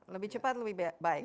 lebih cepat lebih baik